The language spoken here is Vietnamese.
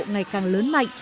ngày càng lớn mạnh